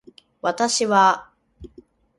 私はあ